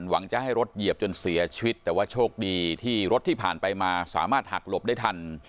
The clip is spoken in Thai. หวังจะให้รถเหยียบจนเสียชีวิตแต่ว่าโชคดีที่รถที่ผ่านไปมาสามารถหักหลบได้ทัน